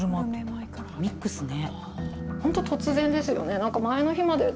ミックスね。